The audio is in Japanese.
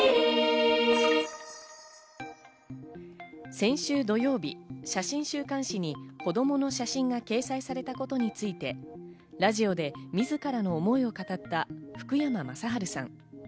先週土曜日、写真週刊誌に子供の写真が掲載されたことについて、ラジオで自らの思いを語った福山雅治さん。